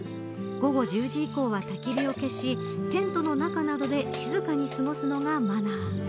午後１０時以降は、たき火を消しテントの中などで静かに過ごすのがマナー。